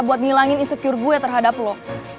buat ngilangin insecure gue terhadap lo